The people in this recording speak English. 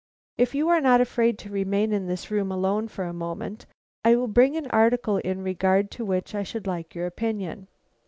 If you are not afraid to remain in this room alone for a moment, I will bring an article in regard to which I should like your opinion."